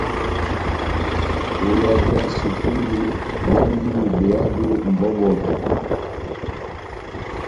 Ó yadi ya sukulu, ihándini behado mʼbɔbɔtɔ.